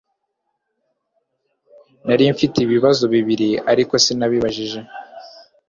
Nari mfite ibibazo bibiri ariko sinababajije